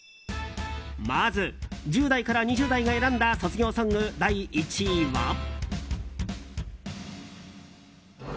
まず１０代から２０代が選んだ卒業ソング第１位は。